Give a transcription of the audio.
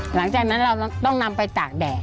หลังจากนั้นเราต้องนำไปตากแดด